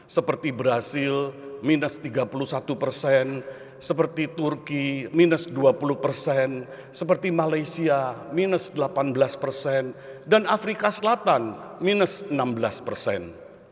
seperti brazil minus tiga puluh satu persen seperti turki minus dua puluh persen seperti malaysia minus delapan belas persen dan afrika selatan minus enam belas persen